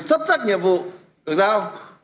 sắp sắc nhiệm vụ cửa giao